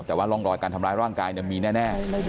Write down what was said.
แต่ว่ารองรอยการทำลายร่างกายเนี่ยมีแน่